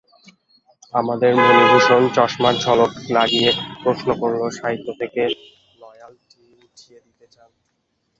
আমাদের মণিভূষণ চশমার ঝলক লাগিয়ে প্রশ্ন করলে, সাহিত্য থেকে লয়ালটি উঠিয়ে দিতে চান?